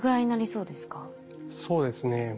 そうですね。